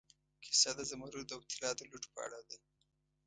کیسه د زمرد او طلا د لوټ په اړه ده.